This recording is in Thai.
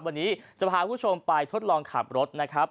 วันนี้จะพาคุณผู้ชมไปทดลองขับรถนะครับ